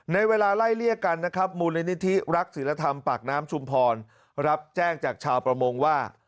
เวลาไล่เลี่ยกันนะครับมูลนิธิรักศิลธรรมปากน้ำชุมพรรับแจ้งจากชาวประมงว่า